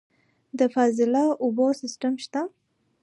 د فاضله اوبو سیستم شته؟